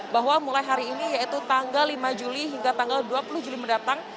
bahwa mulai hari ini yaitu tanggal lima juli hingga tanggal dua puluh juli mendatang